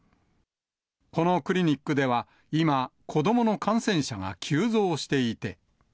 このクリニックでは、今、子どもの感染者が急増していて。